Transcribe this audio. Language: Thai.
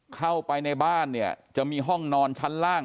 เข้าไปในบ้านเนี่ยจะมีห้องนอนชั้นล่าง